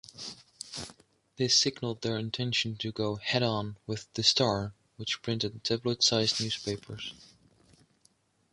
This signalled their intention to go head-on with The Star which printed tabloid-sized newspapers.